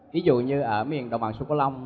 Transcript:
ví dụ như ở miền đồng bằng sông cổ long